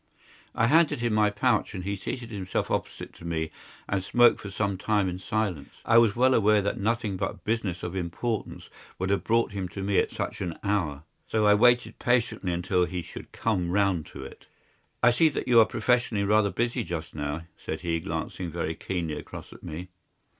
I handed him my pouch, and he seated himself opposite to me and smoked for some time in silence. I was well aware that nothing but business of importance would have brought him to me at such an hour, so I waited patiently until he should come round to it. "I see that you are professionally rather busy just now," said he, glancing very keenly across at me.